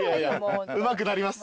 うまくなります。